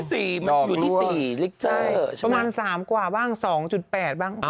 มันอยู่ที่๔ลิกเซอร์ประมาณ๓กว่าบ้าง๒๘บ้าง